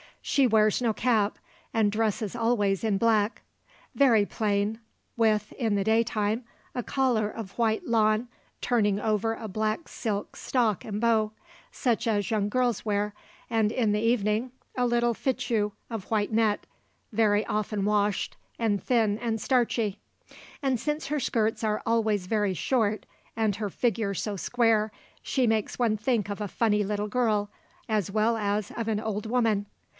She wears no cap and dresses always in black; very plain, with, in the daytime, a collar of white lawn turning over a black silk stock and bow, such as young girls wear, and, in the evening, a little fichu of white net, very often washed, and thin and starchy. And since her skirts are always very short, and her figure so square, she makes one think of a funny little girl as well as of an old woman.